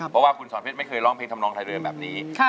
ของคุณสอนเพชรไม่เคยร้องเพลงทำร้องไทยเดิมแบบนี้